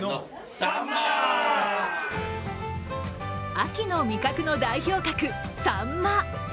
秋の味覚の代表格、さんま。